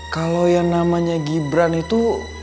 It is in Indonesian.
kalau yang namanya gibran itu